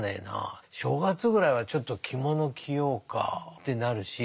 正月ぐらいはちょっと着物着ようかってなるし。